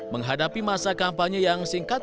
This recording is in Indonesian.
menghadapi masa kampanye yang singkat